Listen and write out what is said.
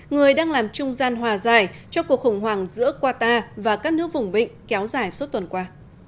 người đang làm trung gian hòa giải cho cuộc khủng hoảng giữa qatar và các nước vùng vịnh kéo dài suốt tuần qua